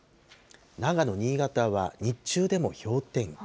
長野、新潟は日中でも氷点下。